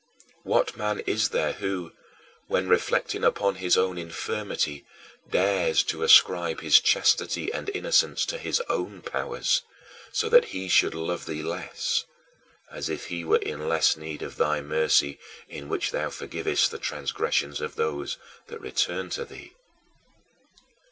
What man is there who, when reflecting upon his own infirmity, dares to ascribe his chastity and innocence to his own powers, so that he should love thee less as if he were in less need of thy mercy in which thou forgivest the transgressions of those that return to thee?